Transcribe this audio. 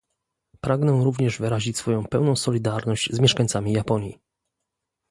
Pragnę również wyrazić swoją pełną solidarność z mieszkańcami Japonii